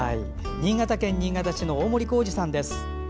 新潟県新潟市の大森幸治さんです。